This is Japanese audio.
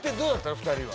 ２人は。